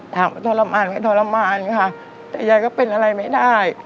ถ้าต้องทรมานก็ทรมานค่ะแต่ยายก็เป็นอะไรไม่ได้